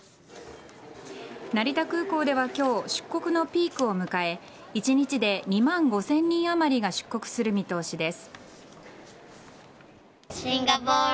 成田空港では今日、出国のピークを迎え一日で２万５０００人あまりが出国する見通しです。